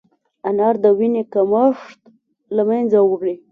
انار د وینې کمښت له منځه وړي.